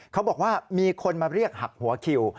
เขาบอกว่ามีคนมาเรียกหักหัวคิว